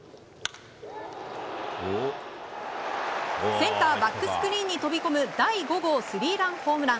センターバックスクリーンに飛び込む第５号スリーランホームラン。